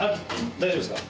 大丈夫っすか？